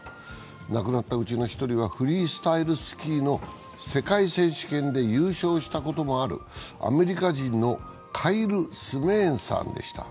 亡くなったうちの１人はフリースタイルスキーの世界選手権で優勝したこともあるアメリカ人のカイル・スメーンさんでした。